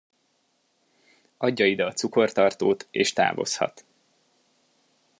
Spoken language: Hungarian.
Adja ide a cukortartót, és távozhat.